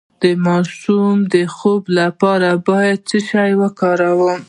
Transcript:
د ماشوم د خوب لپاره باید څه شی وکاروم؟